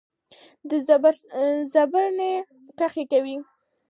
د زبردست د چړې ډېر فریاد کوي.